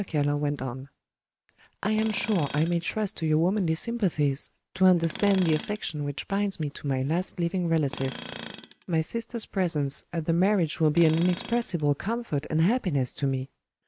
Keller went on "I am sure I may trust to your womanly sympathies to understand the affection which binds me to my last living relative. My sister's presence at the marriage will be an inexpressible comfort and happiness to me.